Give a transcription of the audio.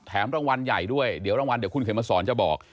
รางวัลใหญ่ด้วยเดี๋ยวรางวัลเดี๋ยวคุณเข็มมาสอนจะบอก